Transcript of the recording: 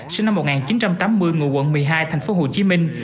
sinh năm một nghìn chín trăm tám mươi ngụ quận một mươi hai thành phố hồ chí minh